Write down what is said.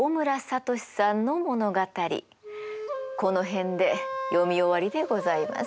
この辺で読み終わりでございます。